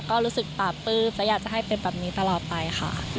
ก็รู้สึกปราบปลื้มและอยากจะให้เป็นแบบนี้ตลอดไปค่ะ